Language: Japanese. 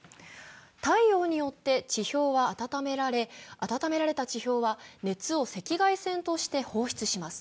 太陽によって地表は温められ、温められた地表は熱を赤外線として放出します。